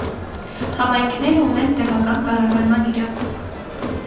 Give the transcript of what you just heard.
Համայնքները ունեն տեղական կառավարման իրավունք։